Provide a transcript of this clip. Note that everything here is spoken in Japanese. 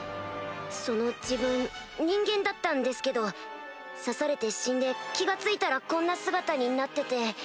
その自分人間だったんですけど刺されて死んで気が付いたらこんな姿になってて。